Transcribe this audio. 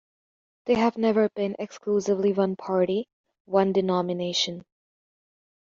They have never been exclusively one party, one denomination.